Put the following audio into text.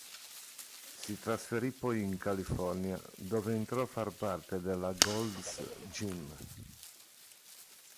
Si trasferì poi in California dove entrò a far parte della Gold's Gym.